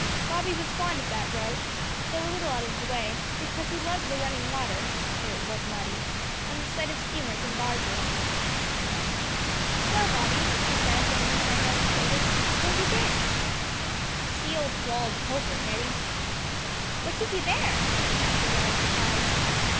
Bobby was fond of that route, though a little out of his way, because he loved the running water, though it was muddy, and the sight of steamers and barges. "Well, Bobby," she said, laying her hand on his shoulder, "where have you been?" "To see old Swallow'd the poker, Hetty." "What took you there?" asked the girl in surprise.